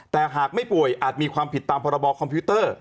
แต่หากไม่ป่วยอาจมีความผิดตามพรบคอมพิวเตอร์